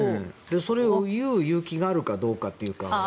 それを言う勇気があるかどうか。